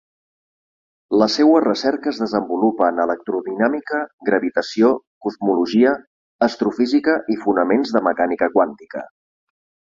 La seua recerca es desenvolupa en electrodinàmica, gravitació, cosmologia, astrofísica i fonaments de mecànica quàntica.